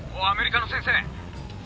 アメリカの先生。